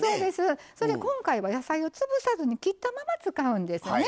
それで今回は野菜を潰さずに切ったまま使うんですね。